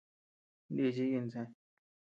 Nichiy insë.